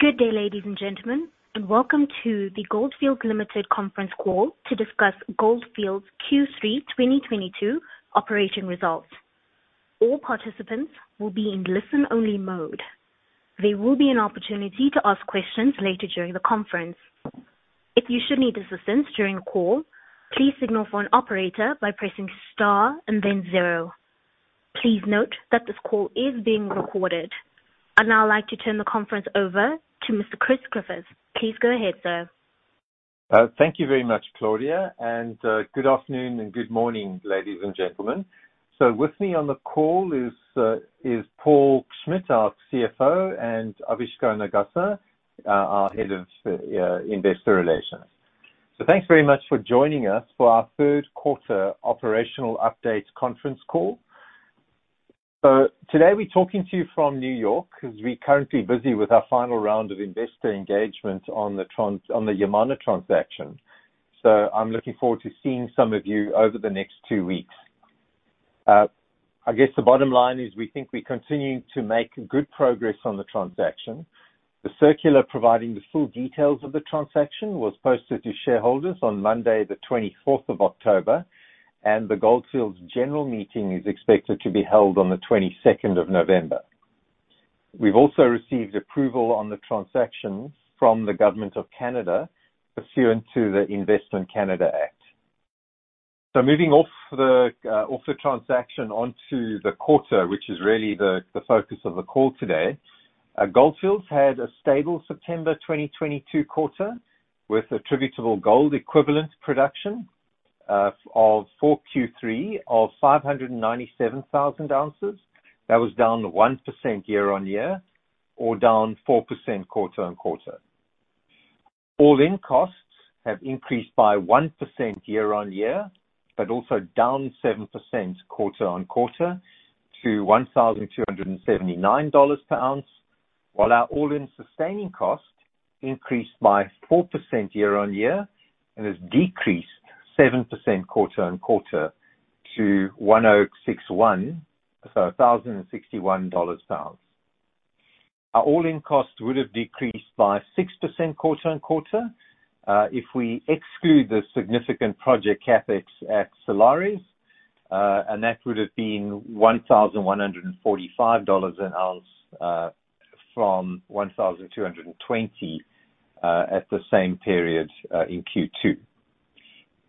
Good day, ladies and gentlemen, and welcome to the Gold Fields Limited conference call to discuss Gold Fields' Q3 2022 operating results. All participants will be in listen-only mode. There will be an opportunity to ask questions later during the conference. If you should need assistance during the call, please signal for an operator by pressing star and then zero. Please note that this call is being recorded. I'd now like to turn the conference over to Mr. Chris Griffith. Please go ahead, sir. Thank you very much, Claudia, and good afternoon and good morning, ladies and gentlemen. With me on the call is Paul Schmidt, our CFO, and Avishkar Nagaser, our head of investor relations. Thanks very much for joining us for our third quarter operational update conference call. Today we're talking to you from New York because we're currently busy with our final round of investor engagement on the Yamana transaction. I'm looking forward to seeing some of you over the next two weeks. I guess the bottom line is we think we're continuing to make good progress on the transaction. The circular providing the full details of the transaction was posted to shareholders on Monday, the twenty-fourth of October, and the Gold Fields general meeting is expected to be held on the twenty-second of November. We've also received approval on the transaction from the government of Canada pursuant to the Investment Canada Act. Moving off the transaction onto the quarter, which is really the focus of the call today. Gold Fields had a stable September 2022 quarter with attributable gold equivalent production of for Q3 of 597,000 ounces. That was down 1% year-on-year or down 4% quarter-on-quarter. All-in costs have increased by 1% year-on-year, but also down 7% quarter-on-quarter to $1,279 per ounce, while our all-in sustaining cost increased by 4% year-on-year and has decreased 7% quarter-on-quarter to 1,061. A thousand and sixty-one dollars per ounce. Our all-in costs would have decreased by 6% quarter-on-quarter, if we exclude the significant project CapEx at Salares Norte, and that would have been $1,145 an ounce, from $1,220, at the same period in Q2.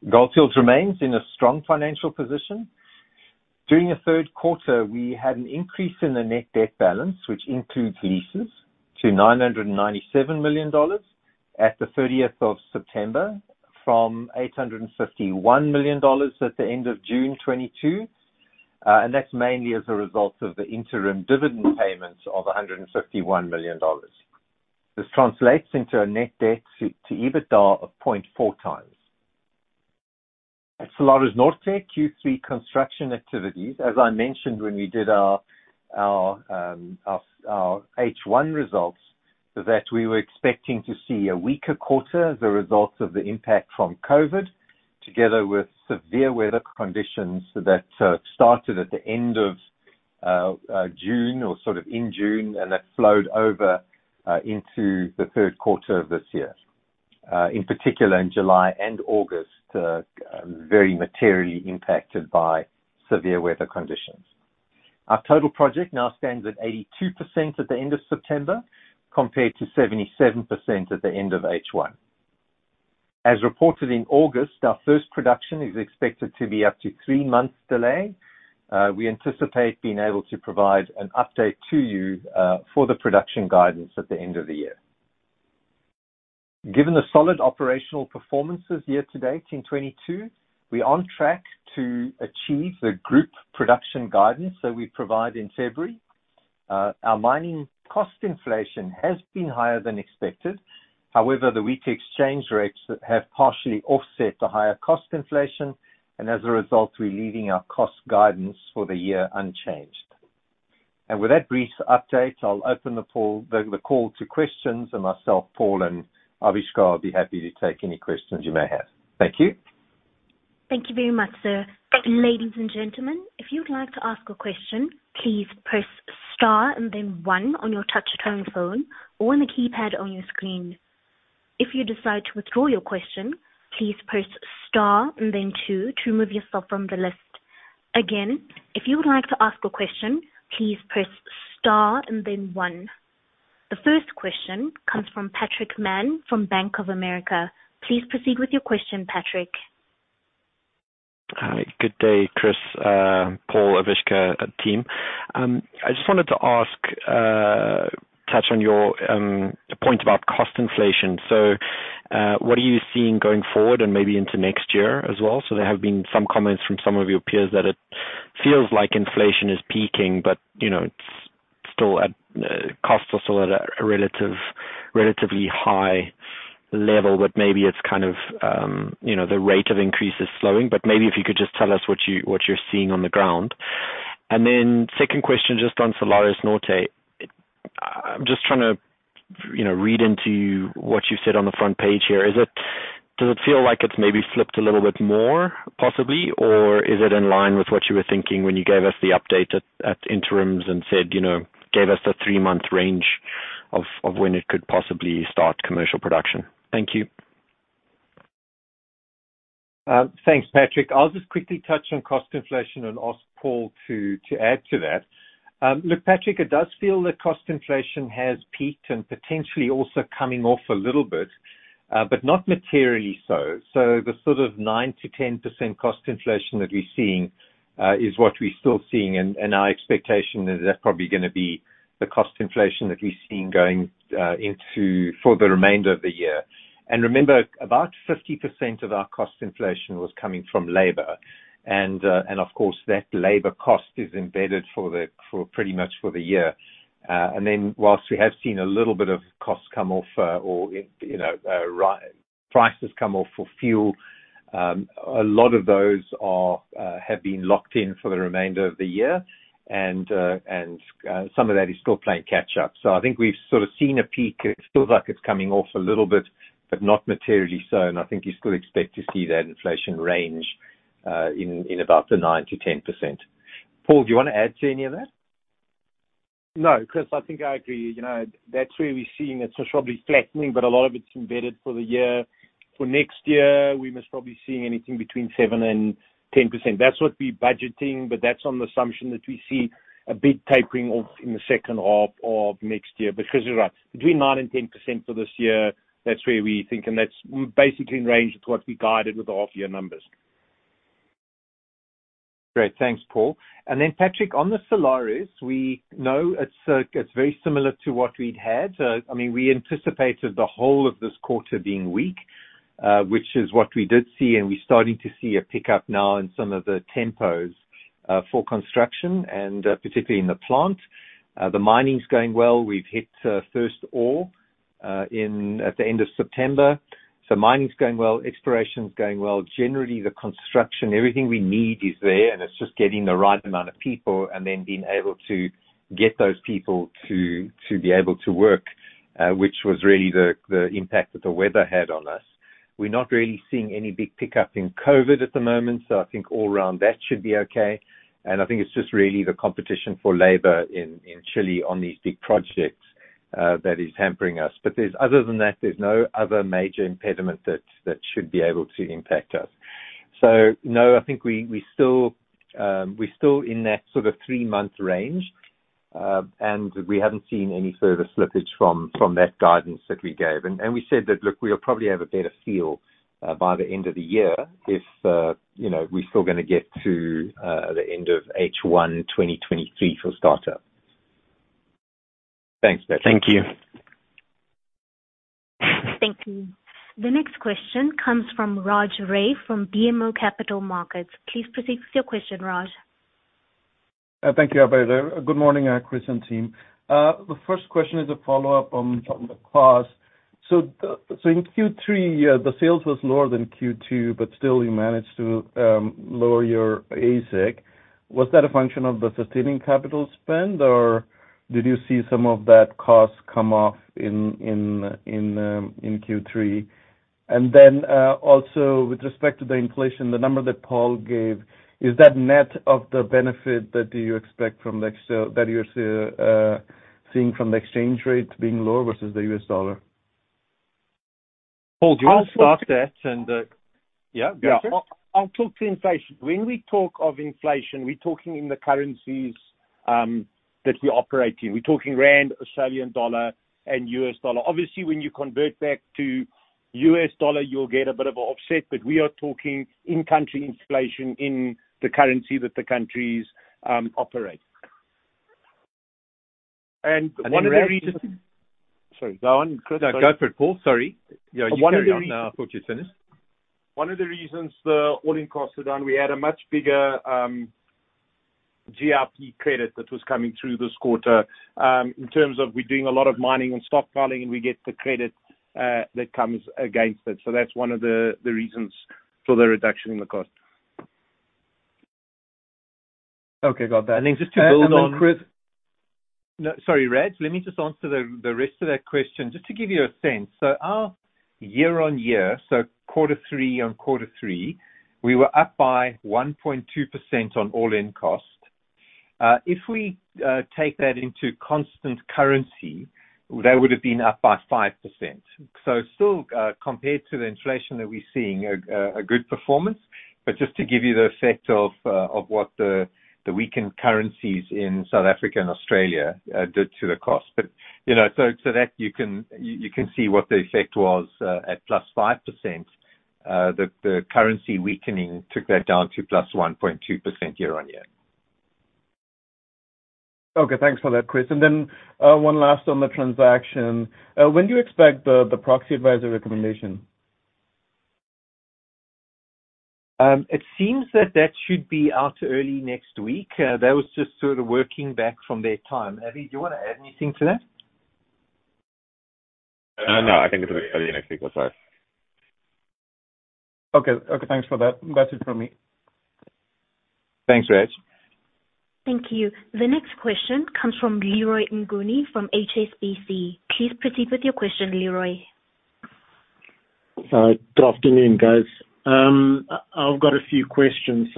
Gold Fields remains in a strong financial position. During the third quarter, we had an increase in the net debt balance, which includes leases to $997 million at the 30th of September from $851 million at the end of June 2022. That's mainly as a result of the interim dividend payment of $151 million. This translates into a net debt to EBITDA of 0.4 times. At Salares Norte, Q3 construction activities, as I mentioned when we did our H1 results, that we were expecting to see a weaker quarter as a result of the impact from COVID, together with severe weather conditions that started at the end of June or sort of in June, and that flowed over into the third quarter of this year. In particular in July and August, very materially impacted by severe weather conditions. Our total project now stands at 82% at the end of September compared to 77% at the end of H1. As reported in August, our first production is expected to be up to three months delayed. We anticipate being able to provide an update to you for the production guidance at the end of the year. Given the solid operational performances year to date in 2022, we're on track to achieve the group production guidance that we provide in February. Our mining cost inflation has been higher than expected. However, the weak exchange rates have partially offset the higher cost inflation, and as a result, we're leaving our cost guidance for the year unchanged. With that brief update, I'll open the call to questions and myself, Paul and Avishka will be happy to take any questions you may have. Thank you. Thank you very much, sir. Ladies and gentlemen, if you'd like to ask a question, please press star and then one on your touchtone phone or on the keypad on your screen. If you decide to withdraw your question, please press star and then two to remove yourself from the list. Again, if you would like to ask a question, please press star and then one. The first question comes from Patrick Mann from Bank of America. Please proceed with your question, Patrick. Hi. Good day, Chris, Paul, Avishkar, team. I just wanted to ask, touch on your point about cost inflation. What are you seeing going forward and maybe into next year as well? There have been some comments from some of your peers that it feels like inflation is peaking, but you know, it's still at, costs are still at a relatively high level, but maybe it's kind of, you know, the rate of increase is slowing. Maybe if you could just tell us what you're seeing on the ground. Then second question, just on Salares Norte. I'm just trying to, you know, read into what you said on the front page here. Does it feel like it's maybe flipped a little bit more, possibly? Is it in line with what you were thinking when you gave us the update at interims and said, you know, gave us the three-month range of when it could possibly start commercial production? Thank you. Thanks, Patrick. I'll just quickly touch on cost inflation and ask Paul to add to that. Look, Patrick, it does feel that cost inflation has peaked and potentially also coming off a little bit, but not materially so. The sort of 9%-10% cost inflation that we're seeing is what we're still seeing, and our expectation is that's probably gonna be the cost inflation that we're seeing going into for the remainder of the year. Remember, about 50% of our cost inflation was coming from labor and, of course, that labor cost is embedded for pretty much the year. While we have seen a little bit of costs come off, or, you know, prices come off for fuel, a lot of those have been locked in for the remainder of the year and some of that is still playing catch up. I think we've sort of seen a peak. It feels like it's coming off a little bit, but not materially so. I think you still expect to see that inflation range in about the 9%-10%. Paul, do you wanna add to any of that? No, Chris, I think I agree. You know, that's where we're seeing it's just probably flattening, but a lot of it's embedded for the year. For next year, we're probably seeing anything between 7% and 10%. That's what we're budgeting. That's on the assumption that we see a big tapering off in the second half of next year. Chris is right, between 9% and 10% for this year, that's where we think, and that's basically in range with what we guided with the half-year numbers. Great. Thanks, Paul. Patrick, on the Salares Norte, we know it's very similar to what we'd had. I mean, we anticipated the whole of this quarter being weak, which is what we did see, and we're starting to see a pickup now in some of the teams for construction and particularly in the plant. The mining's going well. We've hit first ore at the end of September. Mining's going well, exploration's going well. Generally, the construction, everything we need is there, and it's just getting the right amount of people and then being able to get those people to be able to work, which was really the impact that the weather had on us. We're not really seeing any big pickup in COVID at the moment. I think all around that should be okay. I think it's just really the competition for labor in Chile on these big projects that is hampering us. Other than that, there's no other major impediment that should be able to impact us. No, I think we're still in that sort of three-month range. We haven't seen any further slippage from that guidance that we gave. We said that, look, we'll probably have a better feel by the end of the year if you know, we're still gonna get to the end of H1 2023 for startup. Thanks. Thank you. Thank you. The next question comes from Raj Ray from BMO Capital Markets. Please proceed with your question, Raj. Thank you, Operator. Good morning, Chris and team. The first question is a follow-up on the cost. In Q3, the sales was lower than Q2, but still you managed to lower your AISC. Was that a function of the sustaining capital spend, or did you see some of that cost come off in Q3? With respect to the inflation, the number that Paul gave, is that net of the benefit that you expect from the exchange rates that you're seeing being lower versus the U.S. dollar? Paul, do you wanna start that? Yeah. Go for it. I'll talk to inflation. When we talk of inflation, we're talking in the currencies that we operate in. We're talking rand, Australian dollar, and U.S. dollar. Obviously, when you convert back to U.S. dollar, you'll get a bit of a offset. But we are talking in-country inflation in the currency that the countries operate. One of the reasons. Raj- Sorry, go on, Chris. No, go for it, Paul. Sorry. Yeah. One of the reasons. You carry on. I thought you'd finished. One of the reasons the all-in costs are down, we had a much bigger GIP credit that was coming through this quarter, in terms of we're doing a lot of mining and stockpiling, and we get the credit that comes against it. That's one of the reasons for the reduction in the cost. Okay. Got that. Just to build on. Chris. No, sorry, Raj. Let me just answer the rest of that question. Just to give you a sense. Our year-over-year, quarter three-over-quarter three, we were up by 1.2% on all-in cost. If we take that into constant currency, that would have been up by 5%. Still, compared to the inflation that we're seeing, a good performance. Just to give you the effect of what the weakened currencies in South Africa and Australia did to the cost. You know, so that you can see what the effect was at +5%. The currency weakening took that down to +1.2% year-over-year. Okay. Thanks for that, Chris. One last on the transaction. When do you expect the proxy advisor recommendation? It seems that that should be out early next week. That was just sort of working back from their time. Avi, do you wanna add anything to that? No, I think it'll be early next week or so. Okay. Okay, thanks for that. That's it from me. Thanks, Raj. Thank you. The next question comes from Leroy Mnguni from HSBC. Please proceed with your question, Leroy. Good afternoon, guys. I've got a few questions.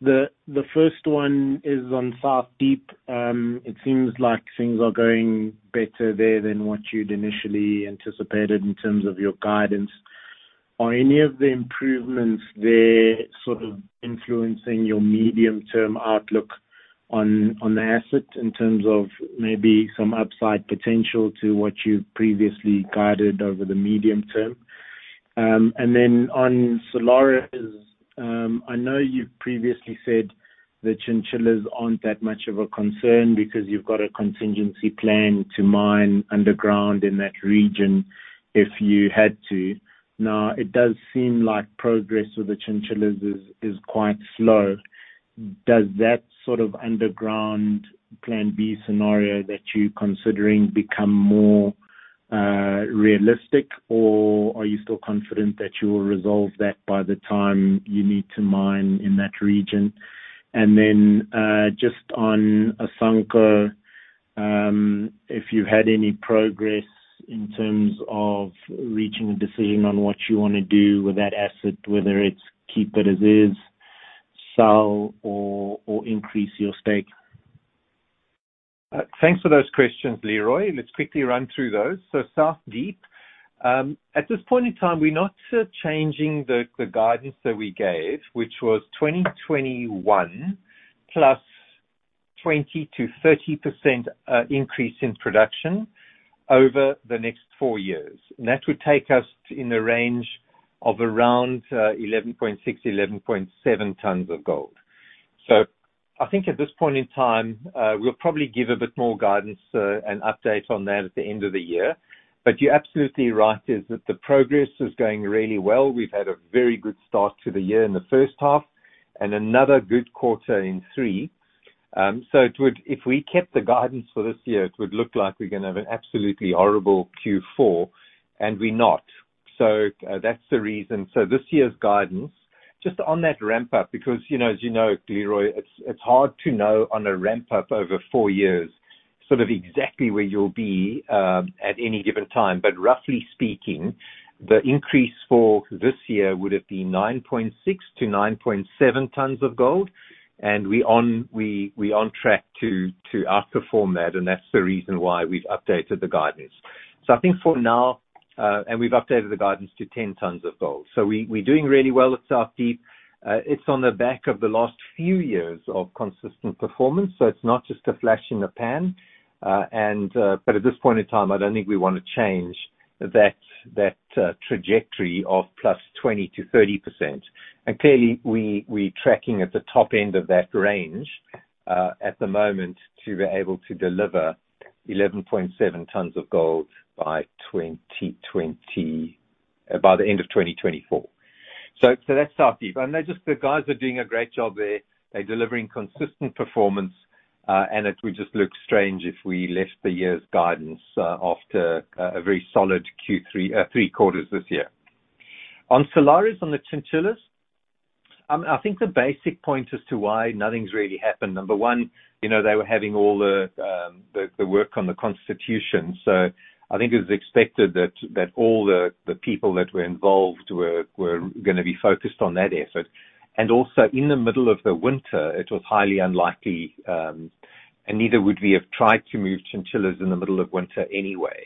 The first one is on South Deep. It seems like things are going better there than what you'd initially anticipated in terms of your guidance. Are any of the improvements there sort of influencing your medium-term outlook on the asset in terms of maybe some upside potential to what you've previously guided over the medium term? On Salares Norte, I know you've previously said the chinchillas aren't that much of a concern because you've got a contingency plan to mine underground in that region if you had to. Now, it does seem like progress with the chinchillas is quite slow. Does that sort of underground plan B scenario that you're considering become more realistic or are you still confident that you will resolve that by the time you need to mine in that region? Just on Asanko, if you had any progress in terms of reaching a decision on what you wanna do with that asset, whether it's keep it as is, sell or increase your stake? Thanks for those questions, Leroy. Let's quickly run through those. South Deep, at this point in time, we're not changing the guidance that we gave, which was 2021 +20%-30% increase in production over the next four years. That would take us in the range of around 11.6-11.7 tons of gold. I think at this point in time, we'll probably give a bit more guidance and update on that at the end of the year. You're absolutely right in that the progress is going really well. We've had a very good start to the year in the first half and another good quarter in Q3. It would... If we kept the guidance for this year, it would look like we're gonna have an absolutely horrible Q4, and we're not. That's the reason. This year's guidance, just on that ramp up, because, you know, as you know, Leroy, it's hard to know on a ramp up over 4 years sort of exactly where you'll be at any given time. But roughly speaking, the increase for this year would have been 9.6-9.7 tons of gold, and we're on track to outperform that, and that's the reason why we've updated the guidance. I think for now we've updated the guidance to 10 tons of gold. We're doing really well at South Deep. It's on the back of the last few years of consistent performance, so it's not just a flash in the pan. But at this point in time, I don't think we wanna change that trajectory of plus 20%-30%. Clearly we're tracking at the top end of that range at the moment to be able to deliver 11.7 tons of gold by the end of 2024. That's South Deep. I know the guys are doing a great job there. They're delivering consistent performance, and it would just look strange if we left the year's guidance after a very solid Q3, three quarters this year. On Salares Norte, on the chinchillas, I think the basic point as to why nothing's really happened, number one, you know, they were having all the work on the Constitution, so I think it was expected that all the people that were involved were gonna be focused on that effort. Also in the middle of the winter, it was highly unlikely, and neither would we have tried to move chinchillas in the middle of winter anyway.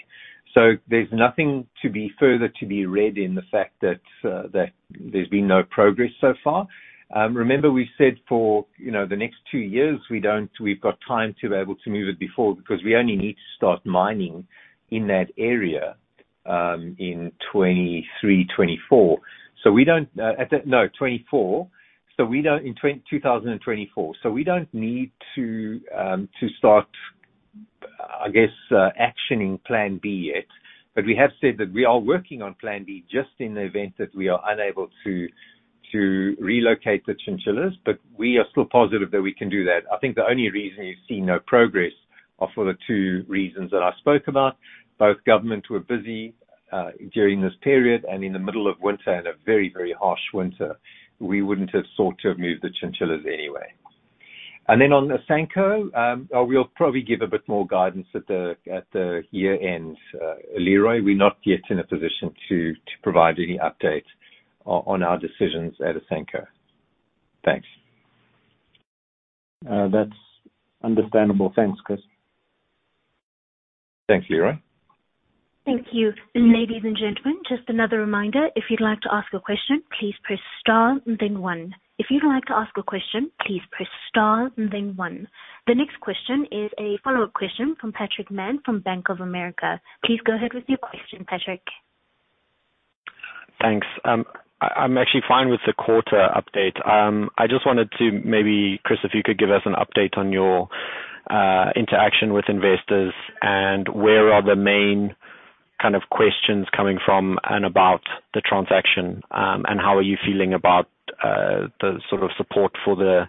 There's nothing further to be read in the fact that there's been no progress so far. Remember we said for the next two years we've got time to be able to move it before because we only need to start mining in that area in 2023, 2024. No, 2024. In 2024, we don't need to start, I guess, actioning plan B yet. We have said that we are working on plan B just in the event that we are unable to relocate the chinchillas. We are still positive that we can do that. I think the only reason you see no progress are for the two reasons that I spoke about. Both governments were busy during this period and in the middle of winter, and a very harsh winter. We wouldn't have sought to have moved the chinchillas anyway. On Asanko, we'll probably give a bit more guidance at the year-end, Leroy. We're not yet in a position to provide any update on our decisions at Asanko. Thanks. That's understandable. Thanks, Chris. Thanks, Leroy. Thank you. Ladies and gentlemen, just another reminder, if you'd like to ask a question, please press star and then one. The next question is a follow-up question from Patrick Mann from Bank of America. Please go ahead with your question, Patrick. Thanks. I'm actually fine with the quarter update. I just wanted to maybe, Chris, if you could give us an update on your interaction with investors and where are the main kind of questions coming from and about the transaction, and how are you feeling about the sort of support for the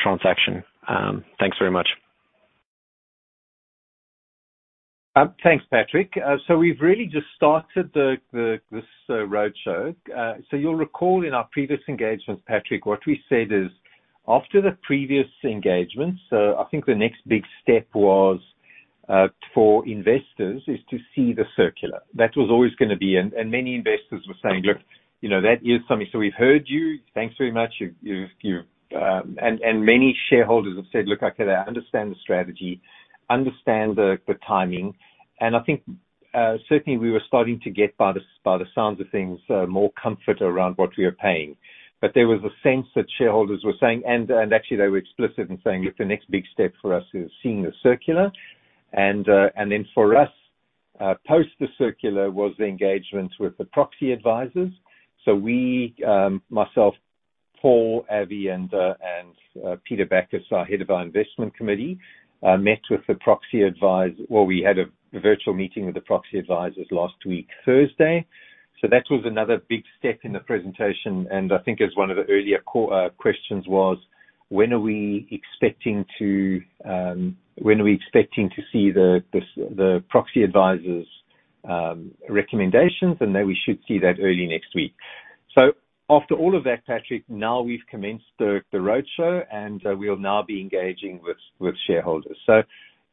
transaction? Thanks very much. Thanks, Patrick. We've really just started this roadshow. You'll recall in our previous engagements, Patrick, what we said is, after the previous engagements, so I think the next big step was for investors is to see the circular. That was always gonna be. Many investors were saying, "Look, you know, that is something. So we've heard you. Thanks very much. You've." Many shareholders have said, "Look, okay, I understand the strategy, understand the timing." I think certainly we were starting to get, by the sounds of things, more comfort around what we were paying. There was a sense that shareholders were saying, and actually they were explicit in saying, "Look, the next big step for us is seeing the circular." Then for us post the circular was the engagement with the proxy advisors. We, myself, Paul, Avi, and Peter Becker, our head of our investment committee, met with the proxy advisors. Well, we had a virtual meeting with the proxy advisors last week, Thursday. That was another big step in the presentation, and I think as one of the earlier questions was, when are we expecting to see the proxy advisor's recommendations. Then we should see that early next week. After all of that, Patrick, now we've commenced the roadshow, and we'll now be engaging with shareholders.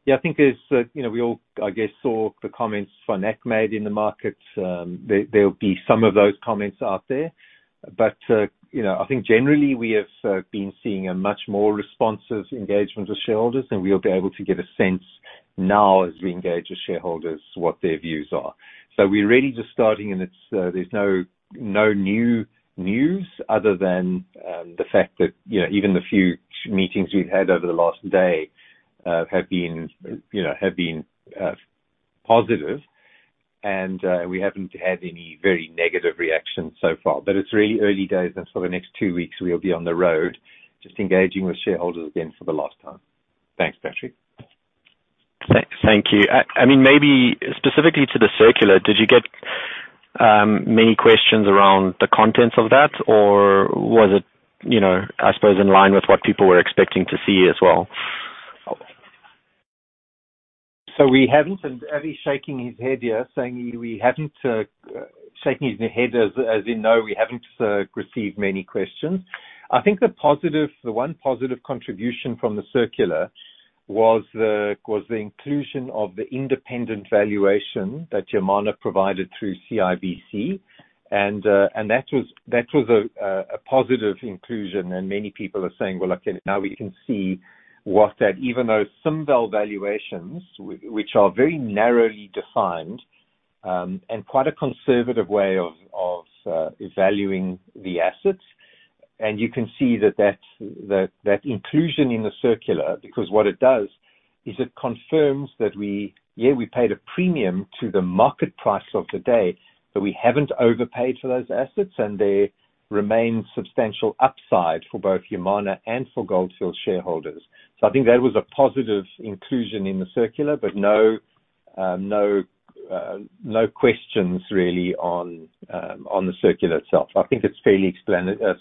Yeah, I think there's you know we all I guess saw the comments Fonac made in the market. There'll be some of those comments out there. You know, I think generally we have been seeing a much more responsive engagement with shareholders, and we'll be able to get a sense now as we engage with shareholders what their views are. We're really just starting and it's there's no new news other than the fact that you know even the few meetings we've had over the last day have been you know positive and we haven't had any very negative reactions so far. It's really early days and for the next two weeks we'll be on the road just engaging with shareholders again for the last time. Thanks, Patrick. Thank you. I mean, maybe specifically to the circular, did you get many questions around the contents of that, or was it, you know, I suppose in line with what people were expecting to see as well? We haven't. Avi's shaking his head, yeah, saying we haven't. Shaking his head as in no, we haven't received many questions. I think the one positive contribution from the circular was the inclusion of the independent valuation that Yamana provided through CIBC, and that was a positive inclusion, and many people are saying, "Well, okay, now we can see what that." Even those SumVal valuations which are very narrowly defined and quite a conservative way of valuing the assets. You can see that inclusion in the circular, because what it does is it confirms that we paid a premium to the market price of the day, but we haven't overpaid for those assets, and there remains substantial upside for both Yamana and for Gold Fields shareholders. I think that was a positive inclusion in the circular, but no questions really on the circular itself. I think it's fairly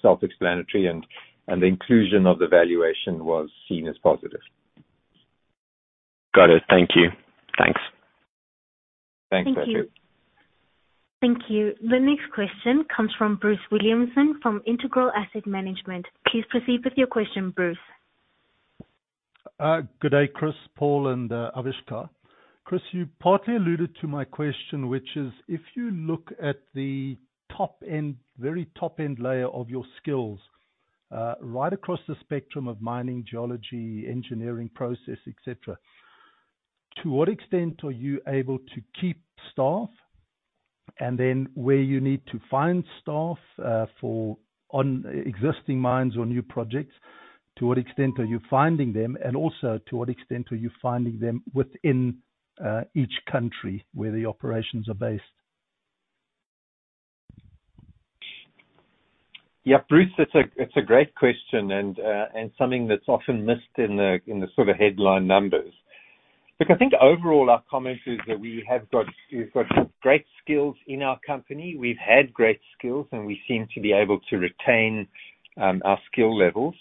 self-explanatory and the inclusion of the valuation was seen as positive. Got it. Thank you. Thanks. Thanks, Patrick. Thank you. Thank you. The next question comes from Bruce Williamson from Integral Asset Management. Please proceed with your question, Bruce. Good day, Chris, Paul, and Avishka. Chris, you partly alluded to my question, which is if you look at the top end, very top end layer of your skills, right across the spectrum of mining, geology, engineering process, et cetera, to what extent are you able to keep staff? Where you need to find staff, for ongoing existing mines or new projects, to what extent are you finding them? To what extent are you finding them within each country where the operations are based? Yeah. Bruce, it's a great question and something that's often missed in the sort of headline numbers. Look, I think overall our comment is that we've got great skills in our company. We've had great skills, and we seem to be able to retain our skill levels.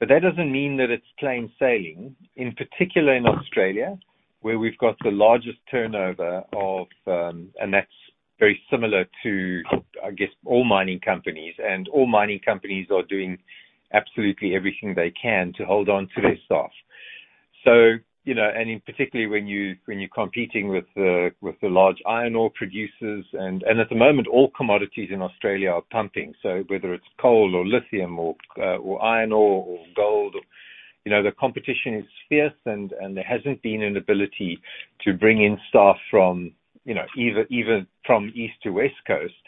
But that doesn't mean that it's plain sailing. In particular in Australia, where we've got the largest turnover, and that's very similar to, I guess, all mining companies. All mining companies are doing absolutely everything they can to hold on to their staff. You know, in particular when you're competing with the large iron ore producers and at the moment all commodities in Australia are pumping. Whether it's coal or lithium or iron ore or gold, you know, the competition is fierce and there hasn't been an ability to bring in staff from, you know, even from east to west coast.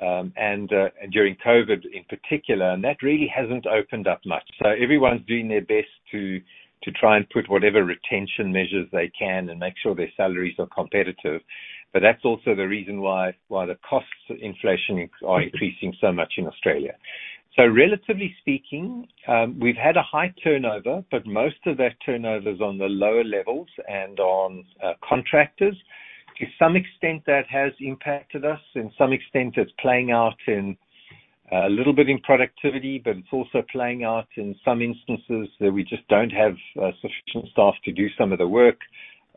During COVID in particular, that really hasn't opened up much. Everyone's doing their best to try and put whatever retention measures they can and make sure their salaries are competitive. But that's also the reason why the costs of inflation are increasing so much in Australia. Relatively speaking, we've had a high turnover, but most of that turnover is on the lower levels and on contractors. To some extent that has impacted us. To some extent it's playing out a little bit in productivity, but it's also playing out in some instances that we just don't have sufficient staff to do some of the work.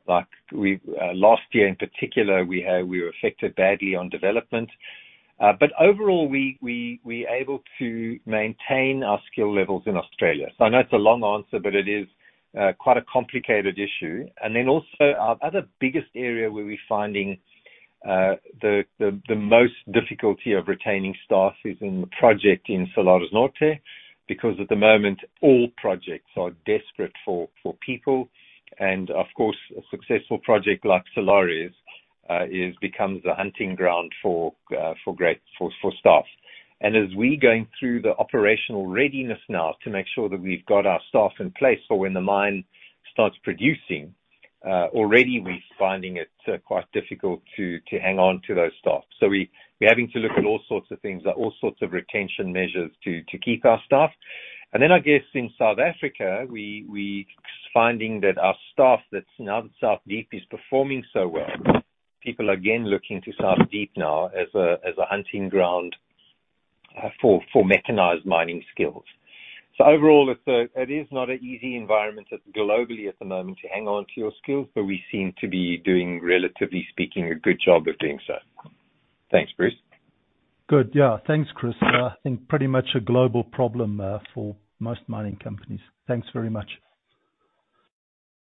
Like last year in particular, we were affected badly on development. Overall we're able to maintain our skill levels in Australia. So I know it's a long answer, but it is quite a complicated issue. Then also our other biggest area where we're finding the most difficulty of retaining staff is in the project in Salares Norte, because at the moment all projects are desperate for people. Of course, a successful project like Salares Norte becomes a hunting ground for great staff. As we're going through the operational readiness now to make sure that we've got our staff in place for when the mine starts producing, already we're finding it quite difficult to hang on to those staff. We're having to look at all sorts of things, all sorts of retention measures to keep our staff. I guess in South Africa, we're finding that our staff that's now at South Deep is performing so well, people are again looking to South Deep now as a hunting ground for mechanized mining skills. Overall it's a-- it is not an easy environment globally at the moment to hang on to your skills, but we seem to be doing, relatively speaking, a good job of doing so. Thanks, Bruce. Good. Yeah. Thanks, Chris. I think pretty much a global problem for most mining companies. Thanks very much.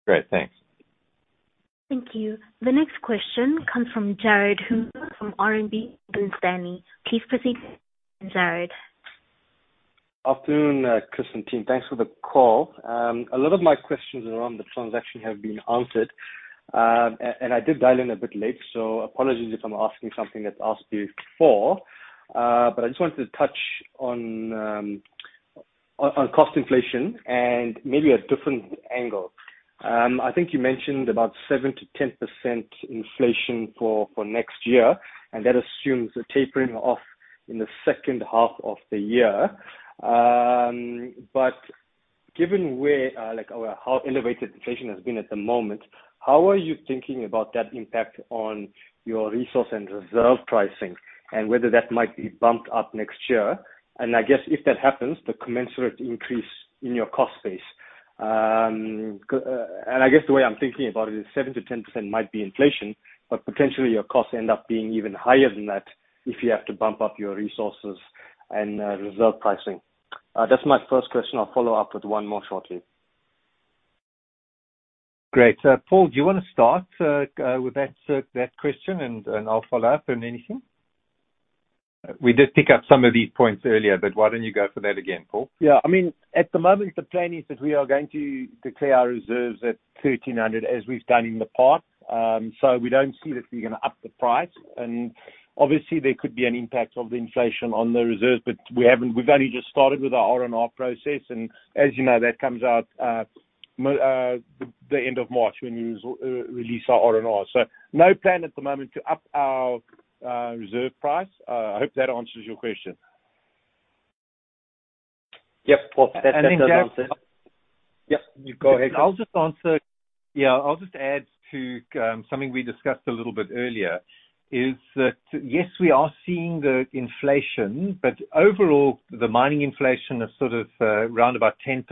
Great. Thanks. Thank you. The next question comes from Jared Hoover from RMB Morgan Stanley. Please proceed, Jared. Afternoon, Chris and team. Thanks for the call. A lot of my questions around the transaction have been answered. I did dial in a bit late, so apologies if I'm asking something that's asked before. I just wanted to touch on cost inflation and maybe a different angle. I think you mentioned about 7%-10% inflation for next year, and that assumes a tapering off in the second half of the year. Given how elevated inflation has been at the moment, how are you thinking about that impact on your resource and reserve pricing and whether that might be bumped up next year? I guess if that happens, the commensurate increase in your cost base. I guess the way I'm thinking about it is 7%-10% might be inflation, but potentially your costs end up being even higher than that if you have to bump up your resources and reserve pricing. That's my first question. I'll follow up with one more shortly. Great. Paul, do you wanna start with that question and I'll follow up on anything? We did pick up some of these points earlier, but why don't you go for that again, Paul? Yeah. I mean, at the moment the plan is that we are going to declare our reserves at $1,300 as we've done in the past. So we don't see that we're gonna up the price and obviously there could be an impact of the inflation on the reserves, but we've only just started with our R&R process and as you know, that comes out the end of March when we release our R&R. No plan at the moment to up our reserve price. I hope that answers your question. Yep. Of course. That does answer. Jared. Yep. You go ahead. I'll just answer. Yeah, I'll just add to something we discussed a little bit earlier is that yes, we are seeing the inflation, but overall the mining inflation is sort of around 10%.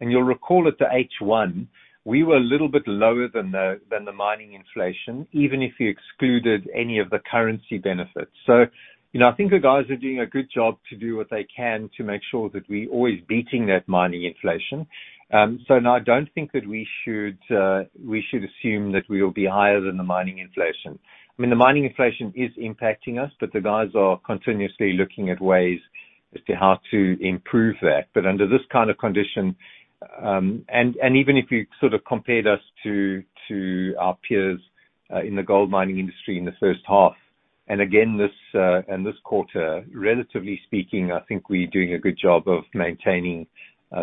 You'll recall at the H1, we were a little bit lower than the mining inflation, even if you excluded any of the currency benefits. You know, I think the guys are doing a good job to do what they can to make sure that we're always beating that mining inflation. No, I don't think that we should assume that we'll be higher than the mining inflation. I mean, the mining inflation is impacting us, but the guys are continuously looking at ways as to how to improve that. Under this kind of condition, and even if you sort of compared us to our peers in the gold mining industry in the first half, and again this quarter, relatively speaking, I think we're doing a good job of maintaining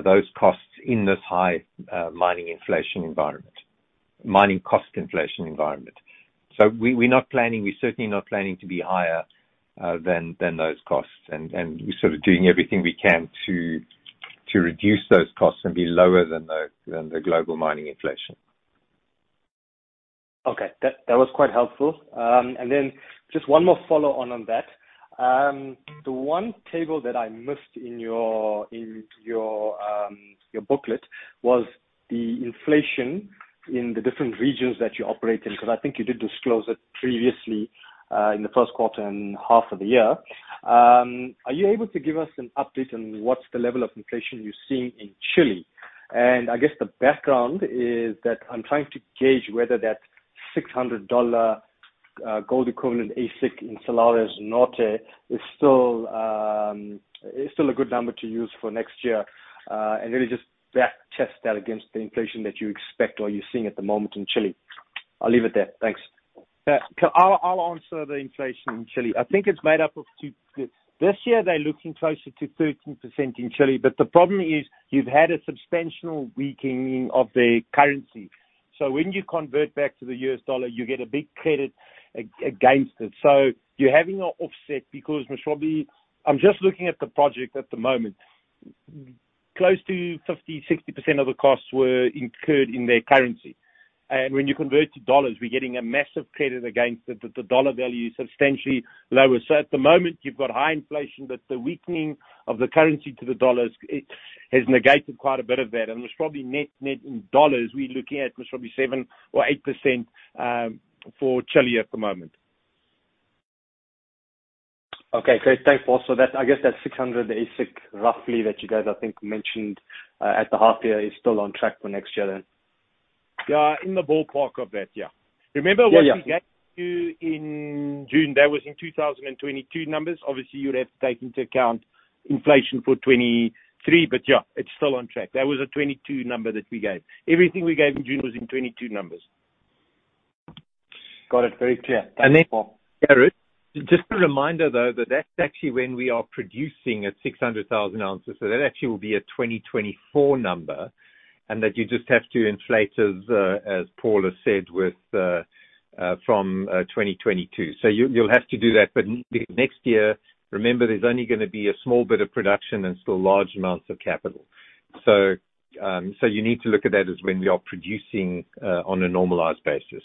those costs in this high mining inflation environment. We're certainly not planning to be higher than those costs. We're sort of doing everything we can to reduce those costs and be lower than the global mining inflation. Okay. That was quite helpful. Then just one more follow on that. The one table that I missed in your booklet was the inflation in the different regions that you operate in, because I think you did disclose it previously in the first quarter and half of the year. Are you able to give us an update on what's the level of inflation you're seeing in Chile? I guess the background is that I'm trying to gauge whether that $600 gold equivalent AISC in Salares Norte is still a good number to use for next year, and really just back test that against the inflation that you expect or you're seeing at the moment in Chile. I'll leave it there. Thanks. I'll answer the inflation in Chile. I think it's made up of two. This year they're looking closer to 13% in Chile, but the problem is you've had a substantial weakening of the currency. When you convert back to the U.S. dollar, you get a big credit against it. You're having an offset because we should be. I'm just looking at the project at the moment. Close to 50-60% of the costs were incurred in their currency. When you convert to dollars, we're getting a massive credit against it. The dollar value is substantially lower. At the moment, you've got high inflation, but the weakening of the currency to the dollars it has negated quite a bit of that. There's probably net in dollars, we're looking at probably 7 or 8%, for Chile at the moment. Okay, great. Thanks, Paul. I guess that's $600 AISC roughly that you guys, I think, mentioned at the half year is still on track for next year then? Yeah, in the ballpark of that, yeah. Yeah, yeah. Remember what we gave you in June, that was in 2022 numbers. Obviously, you would have to take into account inflation for 2023, but yeah, it's still on track. That was a 2022 number that we gave. Everything we gave in June was in 2022 numbers. Got it. Very clear. Thanks, Paul. Jared, just a reminder though that that's actually when we are producing at 600,000 ounces. That actually will be a 2024 number, and that you just have to inflate as Paul has said with, from, 2022. You'll have to do that. Next year, remember there's only gonna be a small bit of production and still large amounts of capital. You need to look at that as when we are producing on a normalized basis.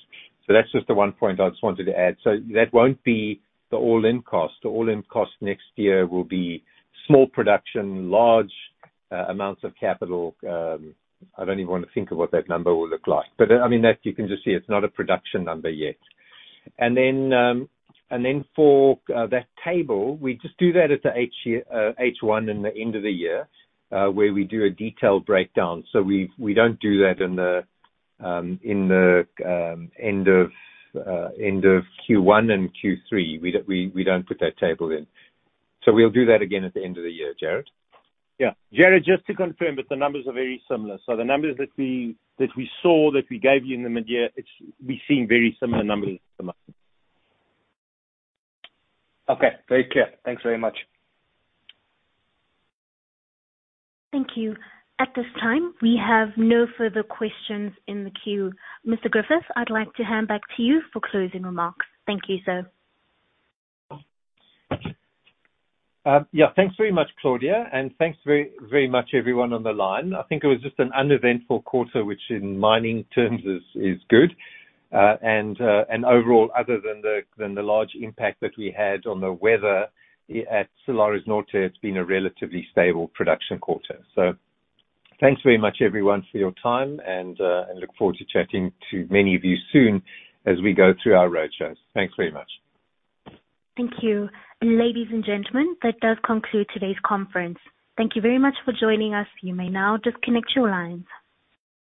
That's just the one point I just wanted to add. That won't be the all-in cost. The all-in cost next year will be small production, large amounts of capital. I don't even wanna think of what that number will look like. I mean, that you can just see it's not a production number yet. Then, for that table, we just do that at the H1 and the end of the year, where we do a detailed breakdown. We don't do that in the end of Q1 and Q3. We don't put that table in. We'll do that again at the end of the year, Jared. Yeah. Jared, just to confirm that the numbers are very similar. The numbers that we saw, that we gave you in the mid-year, we're seeing very similar numbers at the moment. Okay, very clear. Thanks very much. Thank you. At this time, we have no further questions in the queue. Mr. Griffith, I'd like to hand back to you for closing remarks. Thank you, sir. Yeah. Thanks very much, Claudia, and thanks very, very much everyone on the line. I think it was just an uneventful quarter, which in mining terms is good. Overall, other than the large impact that we had on the weather at Salares Norte, it's been a relatively stable production quarter. Thanks very much everyone for your time and look forward to chatting to many of you soon as we go through our roadshows. Thanks very much. Thank you. Ladies and gentlemen, that does conclude today's conference. Thank you very much for joining us. You may now disconnect your lines.